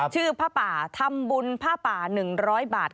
ผ้าป่าทำบุญผ้าป่า๑๐๐บาท